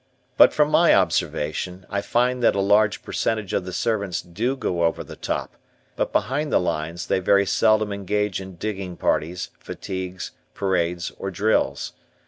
} But from my observation I find that a large percentage of the servants do go over the top, but behind the lines, they very seldom engage in digging parties, fatigues, parades, or drills.